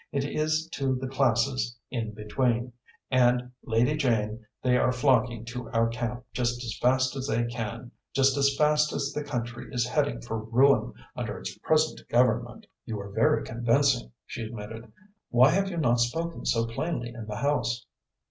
It is to the classes in between, and, Lady Jane, they are flocking to our camp just as fast as they can, just as fast as the country is heading for ruin under its present Government." "You are very convincing," she admitted. "Why have you not spoken so plainly in the House?"